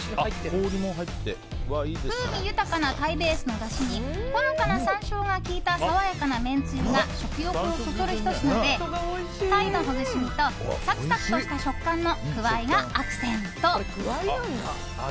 風味豊かな鯛ベースのだしにほのかな山椒が効いた爽やかなめんつゆが食欲をそそるひと品で鯛のほぐし身と、サクサクとした食感のクワイがアクセント。